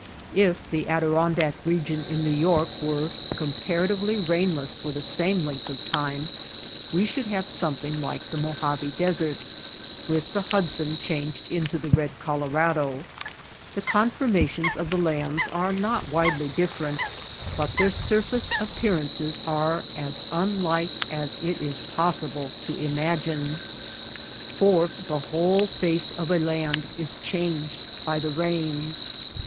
If the Adirondack region in New THE MAKE OF THE DESERT 26 York were comparatively rainless for the same length of time we should have something like the Mojave Desert, with the Hudson changed into the red Colorado. The conformations of the lands are not widely different, but their surface appearances are as unlike as it is pos sible to imagine. For the whole face of a land is changed by the rains.